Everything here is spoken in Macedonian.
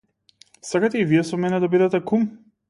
Сакате и вие со мене да бидете кум?